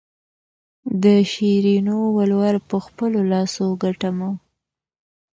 د شیرینو ولور په خپلو لاسو ګټمه.